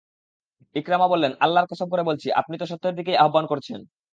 ইকরামা বললেন, আল্লাহর কসম করে বলছি, আপনি তো সত্যের দিকেই আহবান করছেন।